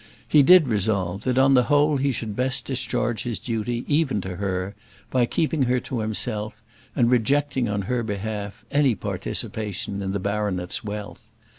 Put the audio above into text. He did resolve, that on the whole he should best discharge his duty, even to her, by keeping her to himself, and rejecting, on her behalf, any participation in the baronet's wealth.